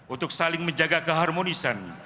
untuk saling menjaga keharmonisan